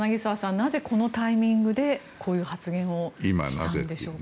なぜ、このタイミングでこういう発言をしたんでしょうか。